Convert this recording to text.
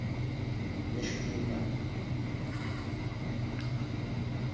D acu i d-yenna?